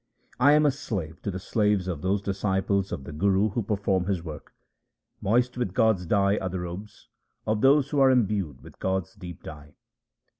1 am a slave to the slaves of those disciples of the Guru who perform his work. Moist with God's dye are the robes 2 of those who are imbued with God's deep dye.